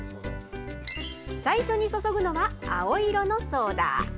最初に注ぐのは青色のソーダ。